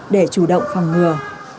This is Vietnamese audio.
để chủ động phòng ngừa